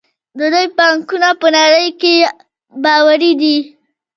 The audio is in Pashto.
د دوی بانکونه په نړۍ کې باوري دي.